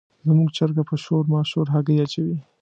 زموږ چرګه په شور ماشور هګۍ اچوي.